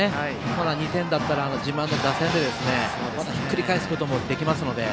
まだ２点だったら自慢の打線でひっくり返すこともできますので。